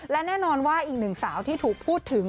และแน่นอนว่าอีกหนึ่งสาวที่ถูกพูดถึง